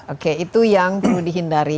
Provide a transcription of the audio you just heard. oke itu yang perlu dihindari